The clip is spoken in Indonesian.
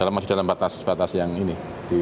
karena masih dalam batas batas yang ini